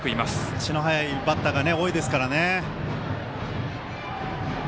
足の速いバッターが多いですからね。